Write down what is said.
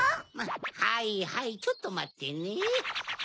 はいはいちょっとまってね。